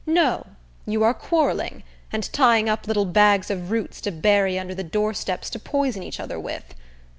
No; you are quarrelling, and tying up little bags of roots to bury under the doorsteps to poison each other with.